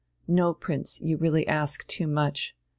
"No, Prince, you really ask too much.